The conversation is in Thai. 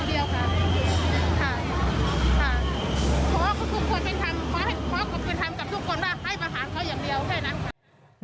พระคุณพ่อก็ไปทำกับทุกคนค่ะให้ประหารเขาอย่างเดียวไหมนี้แหละค่ะ